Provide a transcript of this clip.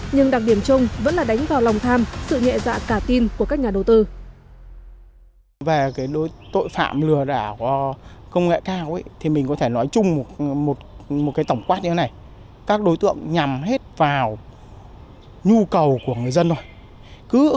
nhưng đặc điểm chung vẫn là đánh vào lòng tham sự nhẹ dạ cả tin của các nhà đầu tư